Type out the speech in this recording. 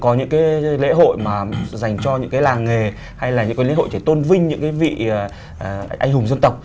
có những lễ hội dành cho những làng nghề hay là những lễ hội để tôn vinh những vị anh hùng dân tộc